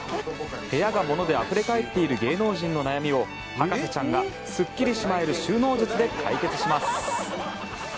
部屋が物であふれ返っている芸能人のお悩みを博士ちゃんがすっきりしまえる収納術で解決します。